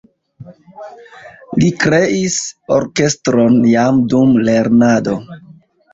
Li kreis orkestron jam dum lernado.